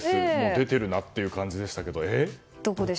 出ているなという感じでしたけど。